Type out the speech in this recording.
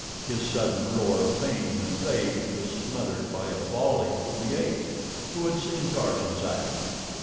His sudden roar of pain and rage was smothered by a volley from the apes, who had seen Tarzan's act.